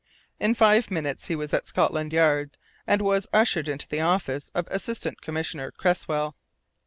In five minutes he was at Scotland Yard and was ushered into the office of Assistant Commissioner Cresswell.